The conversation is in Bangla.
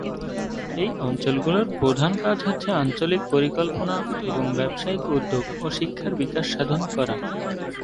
এই অঞ্চলগুলোর প্রধান কাজ হচ্ছে আঞ্চলিক পরিকল্পনা, এবং ব্যবসায়িক উদ্যোগ ও শিক্ষার বিকাশ সাধন করা।